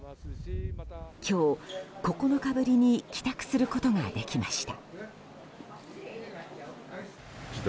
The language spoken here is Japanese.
今日、９日ぶりに帰宅することができました。